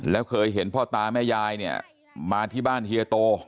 แล้วเคยเห็นพ่อตาแม่ยายเนี่ยมาที่บ้านเฮียโต